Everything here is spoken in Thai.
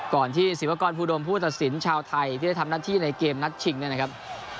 ก่อนที่ศิวากรภูดมผู้ตัดสินชาวไทยที่ได้ทำหน้าที่ในเกมนัดชิงเนี่ยนะครับ